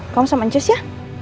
kamu sama ancus ya